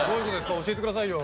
教えてくださいよ。